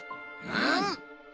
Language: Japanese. うん！